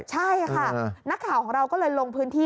ใช่ค่ะนักข่าวของเราก็เลยลงพื้นที่